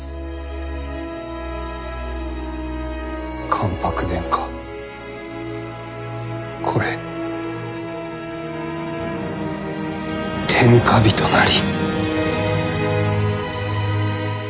「関白殿下これ天下人なり」。